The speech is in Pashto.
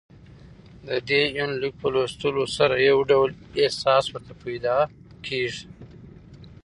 ددې یونلیک په لوستلو سره يو ډول احساس ورته پېدا کېږي